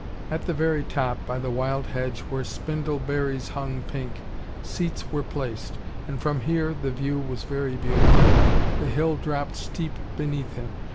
At the very top, by the wild hedge where spindle berries hung pink, seats were placed, and from here the view was very beautiful. The hill dropped steep beneath him.